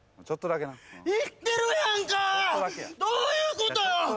ちょっとだけやどういうことよ？